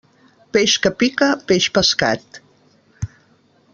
Peix que pica, peix pescat.